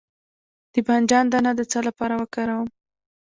د بانجان دانه د څه لپاره وکاروم؟